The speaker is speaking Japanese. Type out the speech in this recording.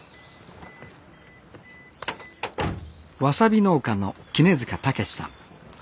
わさび農家の杵健志さん。